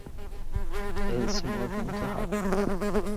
Ele se move muito rápido!